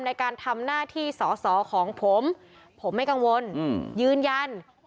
ในการทำหน้าที่สอสอของผมผมไม่กังวลยืนยัน